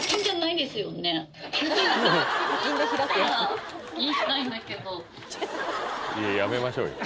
いややめましょうよ